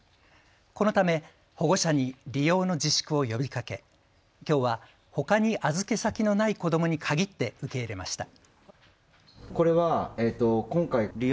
このため保護者に利用の自粛を呼びかけ、きょうはほかに預け先のない子どもに限って受け入れました。